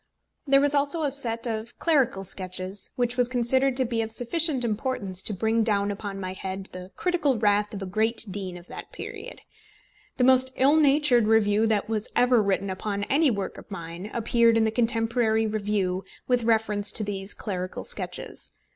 There was also a set of clerical sketches, which was considered to be of sufficient importance to bring down upon my head the critical wrath of a great dean of that period. The most ill natured review that was ever written upon any work of mine appeared in the Contemporary Review with reference to these Clerical Sketches.